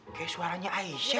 kayaknya suaranya aisyah